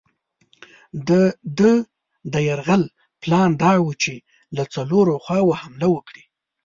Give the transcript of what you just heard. د ده د یرغل پلان دا وو چې له څلورو خواوو حمله وکړي.